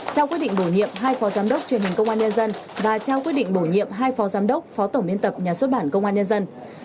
trao quyết định bổ nhiệm hai phó giám đốc truyền hình công an nhân dân và trao quyết định bổ nhiệm hai phó giám đốc phó tổng biên tập nhà xuất bản công an nhân dân